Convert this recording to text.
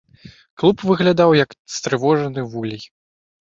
Клуб выглядаў, як стрывожаны вулей.